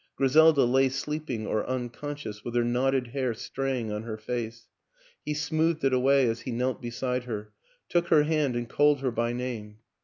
Griselda lay sleeping or unconscious, with her knotted hair straying on her face; he smoothed it away as he knelt beside her, took her hand and called her by name.